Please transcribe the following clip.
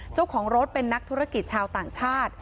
เจ้าของรถเป็นนักธุรกิจชาวต่างชาติ